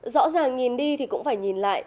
rõ ràng nhìn đi thì cũng phải nhìn lại